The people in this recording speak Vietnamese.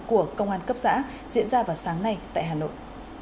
của công an cấp xã diễn ra vào sáng nay tại hà nội